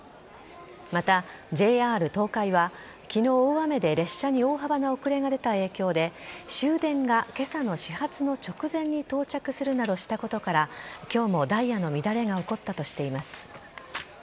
また、ＪＲ東海は昨日、大雨で列車に大幅な遅れが出た影響で終電が今朝の始発の直前に到着するなどしたことから今日もダイヤの乱れが起こったとしています。